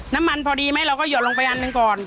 น้ำมันพอดีไหมเราก็หยดลงไปอันนึงก่อน